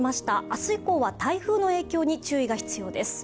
明日以降は、台風の影響に注意が必要です。